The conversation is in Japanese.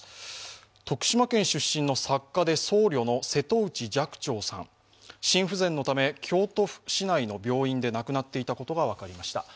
徳島県出身の作家で僧侶の瀬戸内寂聴さん、心不全のため、京都市内の病院で亡くなっていたことが分かりました。